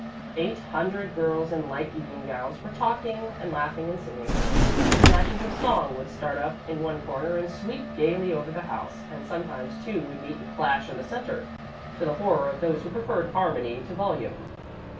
Eight hundred girls in light evening gowns were talking and laughing and singing. Snatches of song would start up in one corner and sweep gaily over the house, and sometimes two would meet and clash in the center, to the horror of those who preferred harmony to volume.